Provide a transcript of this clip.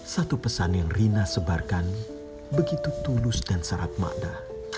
satu pesan yang rina sebarkan begitu tulus dan syarat makna